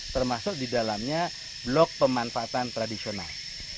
termasuk di dalamnya blok pemanfaatan tradisional